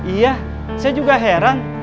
iya saya juga heran